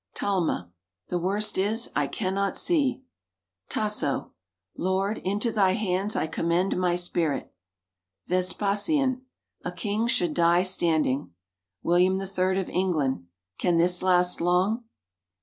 Talma. "The worst is, I cannot see." Tasso. "Lord, into Thy hands I commend my spirit!" Vespasian. "A king should die standing." William III of England. "Can this last long?"